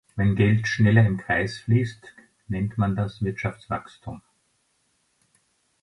Wenn Geld schneller im Kreis fließt, nennt man das Wirtschaftswachstum.